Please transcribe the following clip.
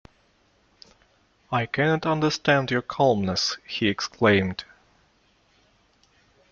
"I cannot understand your calmness," he exclaimed.